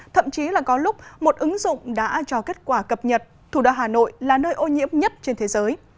thậm chí là có lúc một ứng dụng đã cho kết quả cập nhật thủ đô hà nội là nơi ô nhiễm nhất trên thế giới